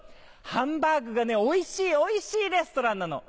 ハンバーグがおいしいおいしいレストランなの。